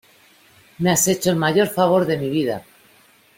me has hecho el mayor favor de mi vida.